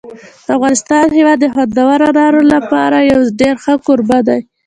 د افغانستان هېواد د خوندورو انارو لپاره یو ډېر ښه کوربه دی.